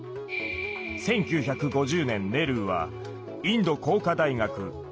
１９５０年ネルーはインド工科大学ＩＩＴを設立。